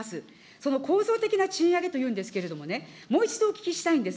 その構造的な賃上げというんですけどもね、もう一度お聞きしたいんです。